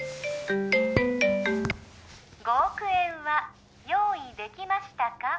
５億円は用意できましたか？